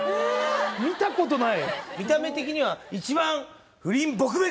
見たことない見た目的に？